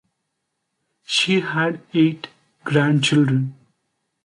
She had eight grandchildren.